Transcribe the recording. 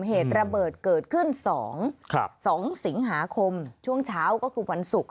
เหตุระเบิดเกิดขึ้น๒สิงหาคมช่วงเช้าก็คือวันศุกร์